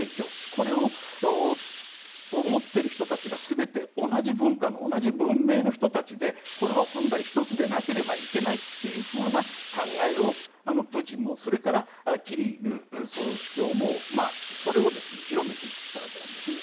これを持っている人たちが全て同じ文化の同じ文明の人たちでこれは本来１つでなければいけないという考えをプーチンもそれからキリル総主教もそれを広めていったわけなんですね。